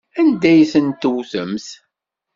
Anda ay ten-tewtemt?